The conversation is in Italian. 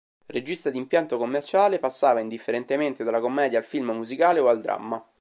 Regista di impianto commerciale, passava indifferentemente dalla commedia al film musicale o al dramma.